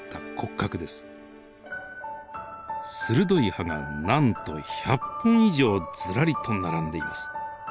鋭い歯がなんと１００本以上ずらりと並んでいます。